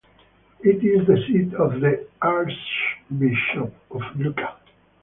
It is the seat of the Archbishop of Lucca.